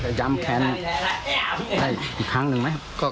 มันมั่นแขนมันได้อีกครั้งหนึ่งไหมครับ